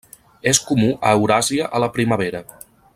És comú a Euràsia a la primavera.